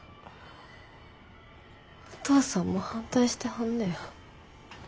お父さんも反対してはんねや。